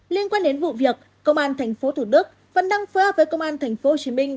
liên quan đến vụ việc công an tp thủ đức vẫn đang phối hợp với công an tp hcm